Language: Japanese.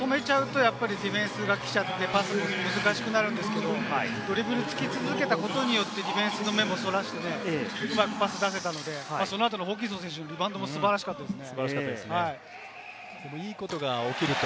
ドリブルを止めちゃうとディフェンスが来ちゃって、パスが難しくなるんですけど、ドリブルを続けたことによってディフェンスの目もそらして、その後のホーキンソン選手のリバウンドも素晴らしかったですね。